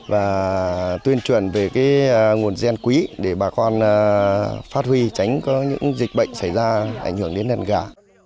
và tuyên truyền về nguồn gen quý để bà con phát huy tránh có những dịch bệnh xảy ra ảnh hưởng đến đàn gà